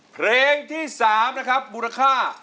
เพลงที่๓นะครับมูลค่า